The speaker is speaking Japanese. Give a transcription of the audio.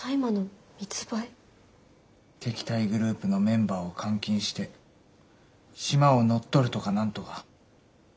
敵対グループのメンバーを監禁してシマを乗っ取るとか何とか。